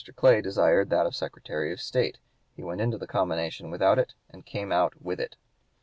Clay desired that of Secretary of State; he went into the combination without it, and came out with it."